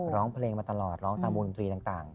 ร้องเพลงมาตลอดร้องตามวงดนตรีต่าง